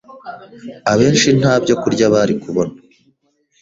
abenshi ntabyo kurya bari kubona.